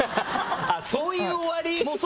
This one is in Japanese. ああ、そういう終わり？